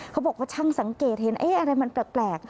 บอกว่าช่างสังเกตเห็นอะไรมันแปลก